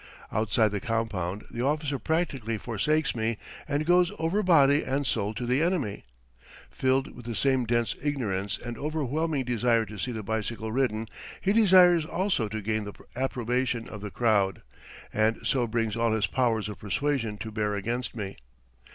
Outside the compound the officer practically forsakes me and goes over body and soul to the enemy. Filled with the same dense ignorance and overwhelming desire to see the bicycle ridden, he desires also to gain the approbation of the crowd, and so brings all his powers of persuasion to bear against me.